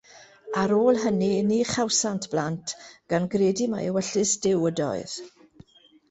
Ar ôl hynny, ni chawsant blant, gan gredu mai ewyllys Duw ydoedd.